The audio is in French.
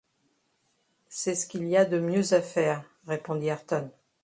C’est ce qu’il y a de mieux à faire, répondit Ayrton.